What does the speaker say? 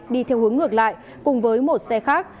đi theo hướng ngược lại cùng với một xe khác